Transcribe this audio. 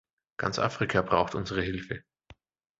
Ganz Afrika braucht unsere Hilfe.